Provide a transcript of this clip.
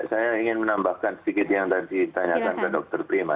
saya ingin menambahkan sedikit yang tadi ditanyakan dokter prima